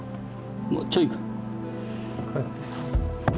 もうちょいか。